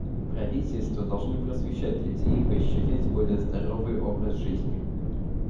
Правительства должны просвещать людей и поощрять более здоровый образ жизни.